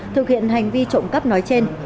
thực hiện hành vi trộm cắp nói trên